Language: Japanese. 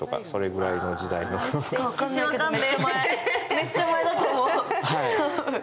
めっちゃ前だと思う。